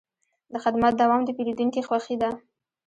د خدمت دوام د پیرودونکي خوښي ده.